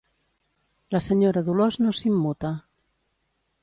La senyora Dolors no s'immuta.